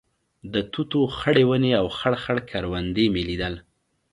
د توتو خړې ونې او خړ خړ کروندې مې لیدل.